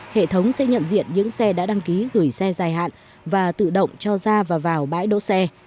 hệ thống sẽ nhận diện những xe đã đăng ký gửi xe dài hạn và tự động cho ra và vào bãi đỗ xe